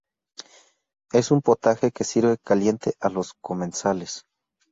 Es un potaje que se sirve caliente a los comensales.